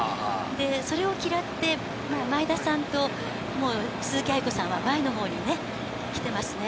それを嫌って、もう前田さんともう鈴木亜由子さんは、前のほうにね、来てますね。